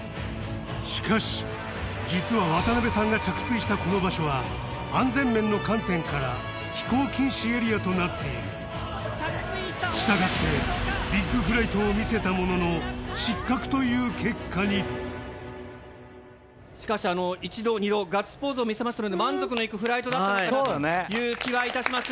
しかし実は渡さんが着水したこの場所は安全面の観点から飛行禁止エリアとなっているしたがってビッグフライトを見せたものの失格という結果にしかし一度二度ガッツポーズを見せましたので満足のいくフライトだったのかなという気はいたします。